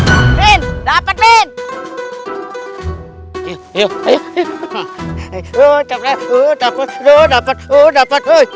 oh dapat dapat dapat